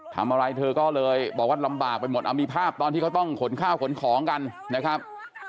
ทำอะไรเธอก็เลยบอกว่าลำบากไปหมดเอามีภาพตอนที่เขาต้องขนข้าวขนของกันนะครับ